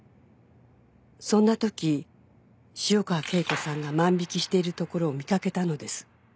「そんなとき潮川恵子さんが万引しているところを見掛けたのです」